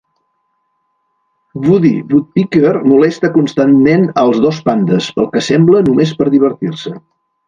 Woody Woodpecker molesta constantment als dos pandes, pel que sembla només per divertir-se.